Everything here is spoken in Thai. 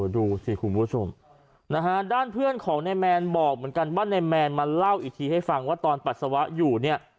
ดูสิคุณผู้ชมนะฮะด้านเพื่อนของนายแมนบอกเหมือนกันว่านายแมนมาเล่าอีกทีให้ฟังว่าตอนปัสสาวะอยู่เนี่ย